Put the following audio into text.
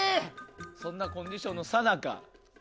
そんなコンディションのさなか。